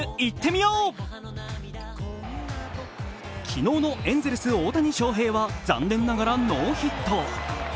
昨日のエンゼルス・大谷翔平は残念ながらノーヒット。